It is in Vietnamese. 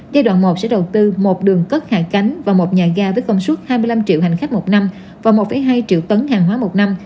giai đoạn một sẽ đầu tư một đường cất hạ cánh và một nhà ga với công suất hai mươi năm triệu hành khách một năm và một hai triệu tấn hàng hóa một năm